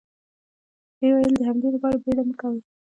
ويې ويل: د حملې له پاره بيړه مه کوئ!